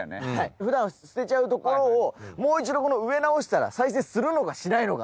普段捨てちゃうところをもう一度植え直したら再生するのかしないのか。